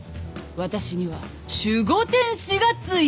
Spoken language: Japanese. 私には守護天使がついてる！